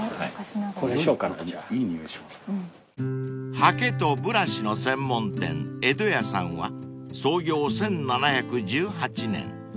［はけとブラシの専門店江戸屋さんは創業１７１８年］